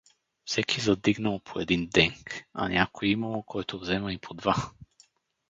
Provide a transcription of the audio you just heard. Всеки задигнал по един денк, а някой имало, който взема и по два.